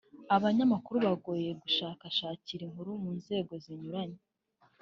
abanyamakuru bagonye gushakashakira inkuru mu nzego zinyuranye